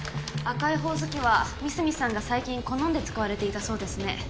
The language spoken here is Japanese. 赤いホオズキは三隅さんが最近好んで使われていたそうですね。